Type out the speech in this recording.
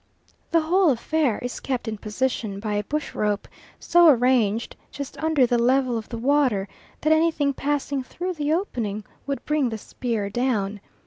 The whole affair is kept in position by a bush rope so arranged just under the level of the water that anything passing through the opening would bring the spear down.